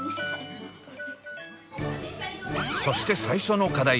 そして最初の課題